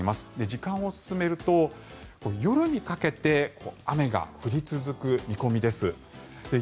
時間を進めると夜にかけて雨が降り続く見込みです。